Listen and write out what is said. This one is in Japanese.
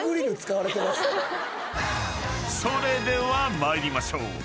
［それでは参りましょう。